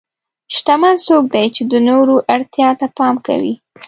شتمن څوک دی چې د نورو اړتیا ته پام کوي.